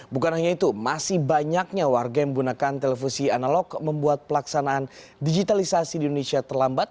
bukan hanya itu masih banyaknya warga yang menggunakan televisi analog membuat pelaksanaan digitalisasi di indonesia terlambat